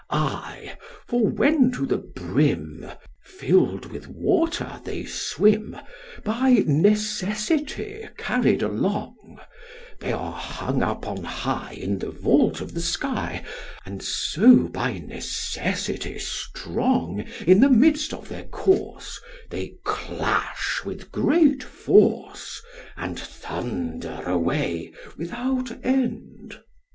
SOCR. Ay: for when to the brim filled with water they swim, by Necessity carried along, They are hung up on high in the vault of the sky, and so by Necessity strong In the midst of their course, they clash with great force, and thunder away without end.